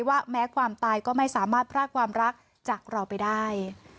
ว่าแม้ความตายก็ไม่สามารถพรากความรักจากเราไปได้